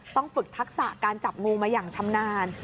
ฝึกทักษะการจับงูมาอย่างชำนาญ